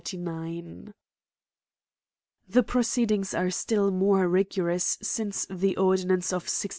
t The proceedings are still more rigorous since the ordinance of 1670.